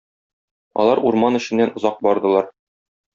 Алар урман эченнән озак бардылар.